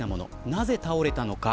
なぜ倒れたのか。